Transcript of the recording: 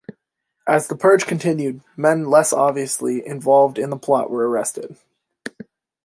As the purge continued, men less obviously involved in the plot were arrested.